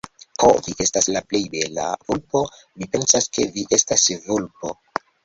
Ho, vi estas la plej bela... vulpo, mi pensas, ke vi estas vulpo.